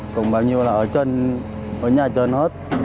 cùng bao nhiêu là ở trên ở nhà trên hết